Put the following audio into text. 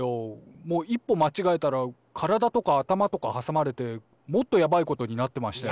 もう一歩まちがえたらからだとか頭とかはさまれてもっとやばいことになってましたよ。